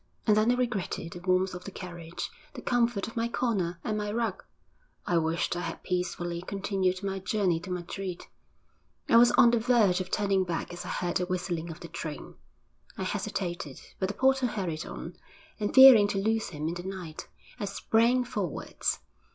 And then I regretted the warmth of the carriage, the comfort of my corner and my rug; I wished I had peacefully continued my journey to Madrid I was on the verge of turning back as I heard the whistling of the train. I hesitated, but the porter hurried on, and fearing to lose him in the night, I sprang forwards.